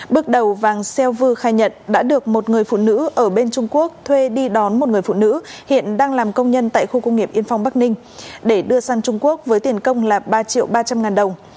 bước đầu vàng xeo vư khai nhận đã được một người phụ nữ ở bên trung quốc thuê đi đón một người phụ nữ hiện đang làm công nhân tại khu công nghiệp yên phong bắc ninh để đưa sang trung quốc với tiền công là ba triệu ba trăm linh ngàn đồng